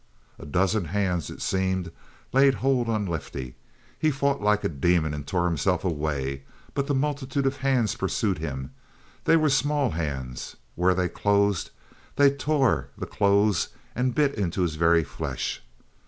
A dozen hands, it seemed, laid hold on Lefty. He fought like a demon and tore himself away, but the multitude of hands pursued him. They were small hands. Where they closed they tore the clothes and bit into his very flesh.